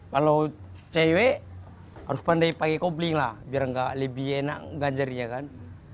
kalau cewek harus pandai pakai kobling lah biar gak lebih enak ganjarin ya kan